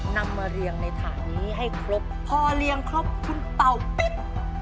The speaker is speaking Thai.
นำมาเรียงในถาดนี้ให้ครบพอเลี้ยงครบคุณเป่าปุ๊บ